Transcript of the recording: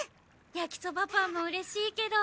焼きそばパンもうれしいけど。